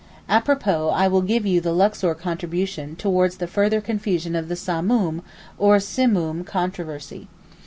Apropos, I will give you the Luxor contribution towards the further confusion of the Samoom (or Simoom) controversy.